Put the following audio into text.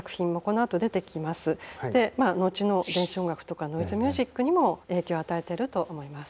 のちの電子音楽とかノイズミュージックにも影響を与えてると思います。